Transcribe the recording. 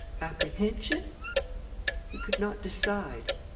apprehension? he could not decide.